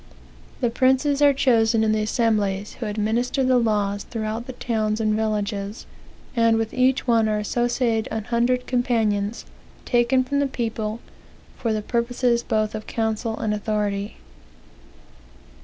(The princes are chosen in the assemblies, who administer the laws throughout the towns and villages, and with each one are associated an hundred companions, taken from the people, for purposes both of counsel and authority.)